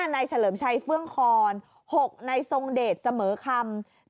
เฉลิมชัยเฟื่องคอน๖นายทรงเดชเสมอคำ